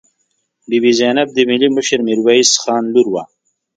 بي بي زینب د ملي مشر میرویس خان لور وه.